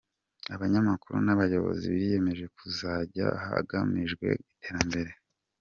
Abanyamakuru n’abayobozi biyemeje kuzuzanya hagamijwe iterambere